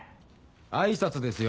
挨拶ですよ